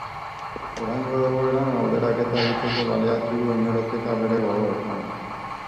Oraingo egoeran alderaketa egiteko baliatu du hemeroteka bere gogoetan.